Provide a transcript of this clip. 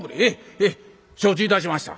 「へえ承知いたしました。